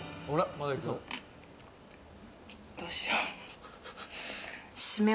どうしよう。